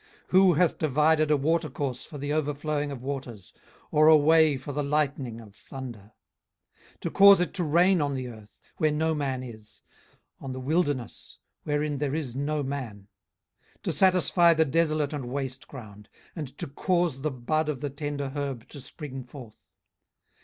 18:038:025 Who hath divided a watercourse for the overflowing of waters, or a way for the lightning of thunder; 18:038:026 To cause it to rain on the earth, where no man is; on the wilderness, wherein there is no man; 18:038:027 To satisfy the desolate and waste ground; and to cause the bud of the tender herb to spring forth?